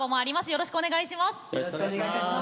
よろしくお願いします。